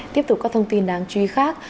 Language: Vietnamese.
tiếp tục có thông tin đáng chú ý khác